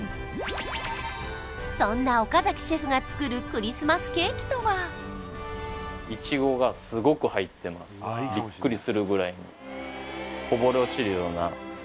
そんな岡崎シェフが作るクリスマスケーキとは？になってます